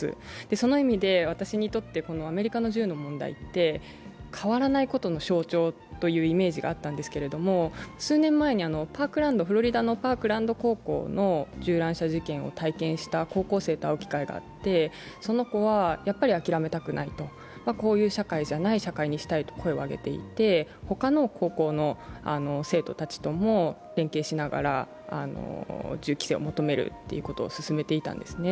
その意味で私にとってアメリカの銃の問題って変わらないことの象徴というイメージがあったんですけれども、数年前にフロリダのパークランド高校の銃乱射事件を体験した高校生と会う機会があって、その子は、やっぱり諦めたくないとこういう社会じゃない社会にしたいと声を上げていて、他の高校の生徒たちとも連携しながら銃規制を求めることを進めていたんですね。